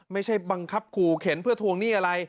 ไม่ใช่บังคับขู่เข็นเพื่อทวงหนี้อะไร